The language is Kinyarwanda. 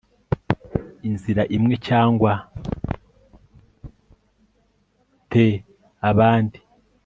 inzira imwe cyangwa the abandi